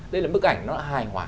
đây là bức ảnh nó hài hòa